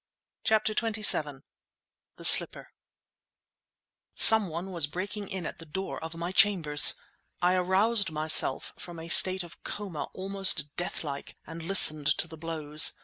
CHAPTER XXVII THE SLIPPER Someone was breaking in at the door of my chambers! I aroused myself from a state of coma almost death like and listened to the blows.